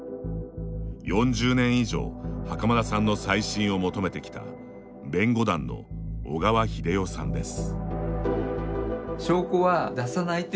４０年以上袴田さんの再審を求めてきた弁護団の小川秀世さんです。